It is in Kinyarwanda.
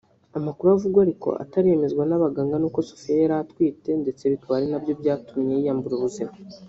Amakuru avugwa ariko ataremezwa n’ abaganga ni uko Sofia yari atwite ndetse bikaba ari nabyo byatumye yiyambura ubuzima